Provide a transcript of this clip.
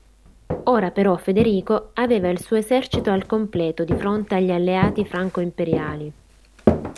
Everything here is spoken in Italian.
Ora però Federico aveva il suo esercito al completo di fronte agli alleati franco-imperiali.